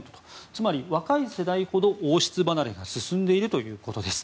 つまり若い世代ほど王室離れが進んでいるということです。